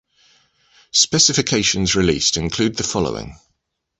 Specifications released include the following.